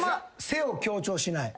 背を強調しない。